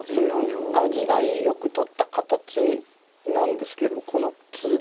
味がよく取った形なんですけどこの痛打